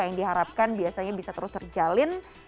yang diharapkan biasanya bisa terus terjalin